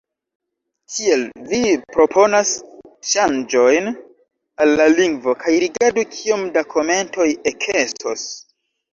Tiel, vi proponas ŝanĝojn al la lingvo, kaj rigardu kiom da komentoj ekestos.